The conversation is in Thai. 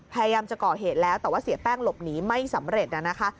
พยายามจะก่อเหตุแล้วแต่ว่าเสียแป้งหลบหนีไม่สำเร็จนะคะ